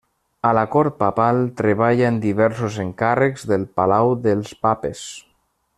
A la cort Papal treballa en diversos encàrrecs pel Palau dels Papes.